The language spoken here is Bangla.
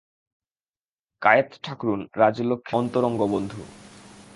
কায়েত-ঠাকরুন রাজলক্ষ্মীর অন্তরঙ্গ বন্ধু।